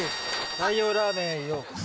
太陽ラーメンへようこそ。